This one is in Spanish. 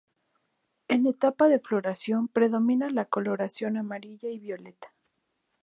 En etapa de floración predomina la coloración amarilla y violeta.